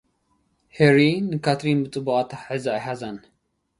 ሃሪ፡ ንካትሪን ብጽቡቕ ኣተሓሕዛ ኣይሓዛን።